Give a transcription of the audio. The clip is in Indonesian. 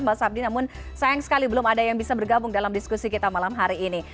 mas abdi namun sayang sekali belum ada yang bisa bergabung dalam diskusi kita malam hari ini